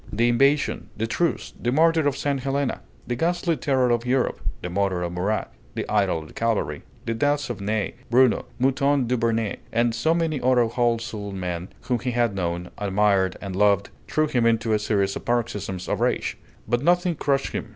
The invasion, the truce, the martyr of St. Helena, the ghastly terror of Europe, the murder of Murat, the idol of the cavalry, the deaths of Ney, Bruno, Mouton Duvernet, and so many other whole souled men whom he had known, admired, and loved, threw him into a series of paroxysms of rage; but nothing crushed him.